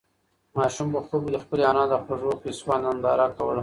ماشوم په خوب کې د خپلې انا د خوږو قېصو ننداره کوله.